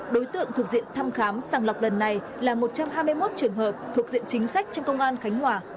đối tượng thuộc diện thăm khám sàng lọc lần này là một trăm hai mươi một trường hợp thuộc diện chính sách trong công an khánh hòa